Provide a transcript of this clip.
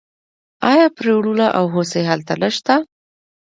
آیا پریړونه او هوسۍ هلته نشته؟